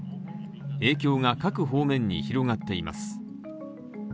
影響が各方面に広がっています。